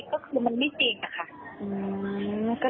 ก็คือมันไม่จริงอะค่ะ